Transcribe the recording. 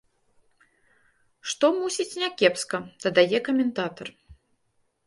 Што, мусіць, някепска, дадае каментатар.